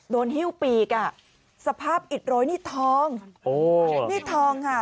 หิ้วปีกอ่ะสภาพอิดโรยนี่ทองโอ้นี่ทองค่ะ